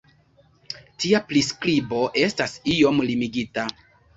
Tia priskribo estas iom limigita.